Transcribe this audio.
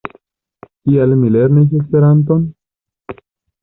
Kial mi lernis Esperanton?